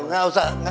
enggak usah enggak